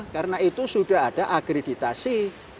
karena itu sudah ada agreditasi